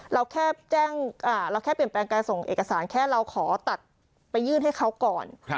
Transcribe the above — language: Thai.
เราแค่แจ้งเราแค่เปลี่ยนแปลงการส่งเอกสารแค่เราขอตัดไปยื่นให้เขาก่อน